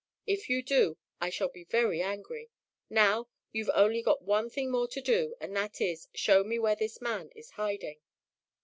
If you do, I shall be very angry. Now, you've only one thing more to do and that is, show me where this man is hiding."